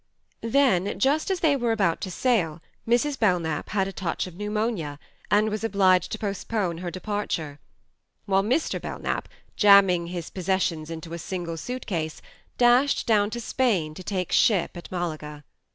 Then, just as they were about to sail, Mrs. Belknap had a touch of pneumonia, and was obliged to postpone her departure ; while Mr. Belknap, jamming his posses sions into a single suit case, dashed 14 THE MARNE down to Spain to take ship at Malaga.